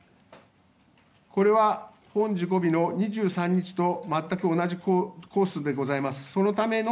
これは、本事故日の２３日と全く同じコースでございます。